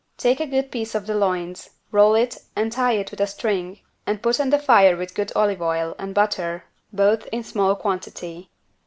Take a good piece of the loins, roll it and tie with a string and put on the fire with good olive oil and butter, both in small quantity.